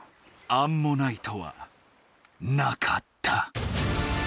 アンモナイトはなかった。